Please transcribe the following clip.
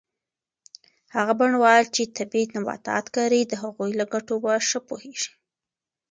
هغه بڼوال چې طبي نباتات کري د هغوی له ګټو په ښه پوهیږي.